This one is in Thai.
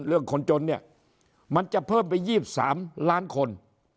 คนจนเนี่ยมันจะเพิ่มไป๒๓ล้านคน